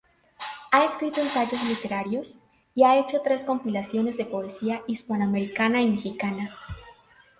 Ha escrito ensayos literarios y ha hecho tres compilaciones de poesía hispanoamericana y mexicana.